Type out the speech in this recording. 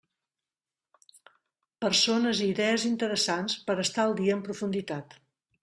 Persones i idees interessants, per estar al dia en profunditat.